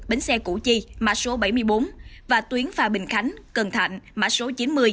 bến xe củ chi mã số bảy mươi bốn và tuyến pha bình khánh cần thạnh mã số chín mươi